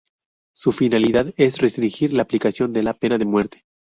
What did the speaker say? Su finalidad es restringir la aplicación de la pena de muerte.